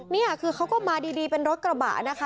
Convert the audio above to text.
นี่คือเขาก็มาดีเป็นรถกระบะนะคะ